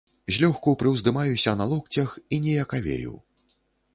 Злёгку прыўздымаюся на локцях і ніякавею.